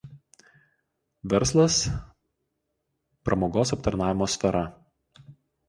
verslas pramogos aptarnavimo sfera